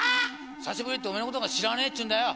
久しぶりってお前のことなんか知らねえっちゅうんだよ！